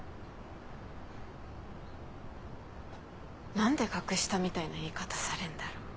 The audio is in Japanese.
何で格下みたいな言い方されんだろ。